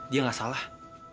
dia gak salah